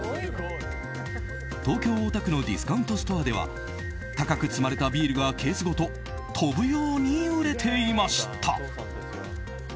東京・大田区のディスカウントストアでは高く積まれたビールがケースごと飛ぶように売れていました。